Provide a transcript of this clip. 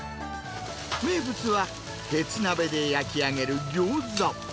名物は、鉄鍋で焼き上げるギョーザ。